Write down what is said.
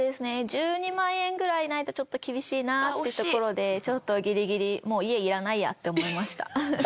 １２万円ぐらいないとちょっと厳しいなってところでちょっとギリギリ。って思いました。